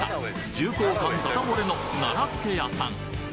重厚感ダダ漏れの奈良漬屋さん